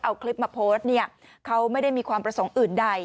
เอาคลิปมาโพสต์เนี่ยเขาไม่ได้มีความประสงค์อื่นใด